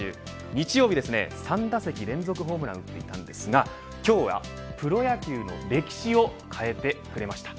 日曜日に３打席連続ホームランを放っていたんですが今日はプロ野球の歴史を変えてくれました。